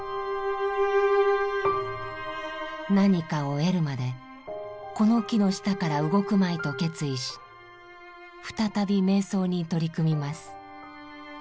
何かを得るまでこの木の下から動くまいと決意し再び瞑想に取り組みます。